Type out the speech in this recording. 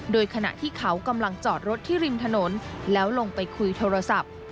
โดยขณะที่เขากำลังจอดรถที่ริมถนนแล้วลงไปคุยโทรศัพท์